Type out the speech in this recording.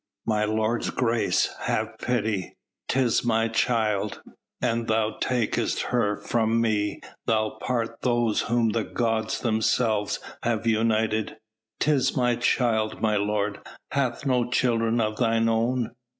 "My lord's grace, have pity 'tis my child; an thou takest her from me thou'lt part those whom the gods themselves have united 'tis my child, my lord! hast no children of thine own?"